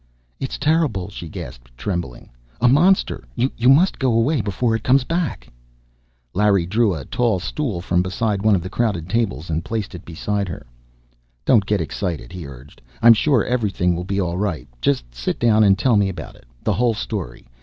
"It's terrible!" she gasped, trembling. "A monster! You must go away before it comes back!" Larry drew a tall stool from beside one of the crowded tables and placed it beside her. "Don't get excited," he urged. "I'm sure everything will be all right. Just sit down, and tell me about it. The whole story.